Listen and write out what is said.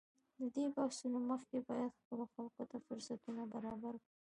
له دې بحثونو مخکې باید خپلو خلکو ته فرصتونه برابر کړو.